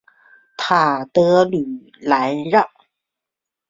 塔德吕兰让。